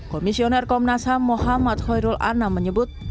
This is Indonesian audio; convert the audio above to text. komisioner komnas ham mohamad khoyrul anam menyebut